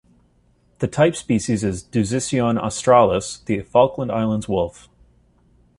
The type species is "Dusicyon australis", the Falkland Islands wolf.